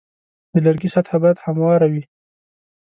د لرګي سطحه باید همواره وي.